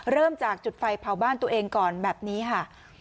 เริ่มจากจุดไฟเผาบ้านตัวเองก่อนแบบนี้ค่ะ